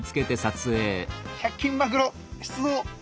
１００均マクロ出動！